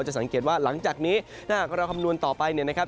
สังเกตว่าหลังจากนี้ถ้าหากเราคำนวณต่อไปเนี่ยนะครับ